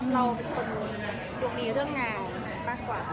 เราเป็นคนดวงดีเรื่องงานมากกว่า